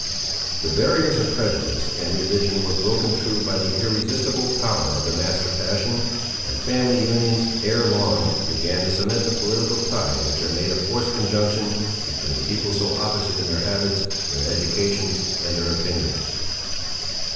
The barriers of prejudice and religion were broken through by the irresistible power of the master passion, and family unions, ere long, began to cement the political tie which had made a forced conjunction, between people so opposite in their habits, their educations, and their opinions.